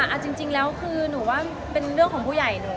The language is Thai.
เอาจริงแล้วคือหนูว่าเป็นเรื่องของผู้ใหญ่หนู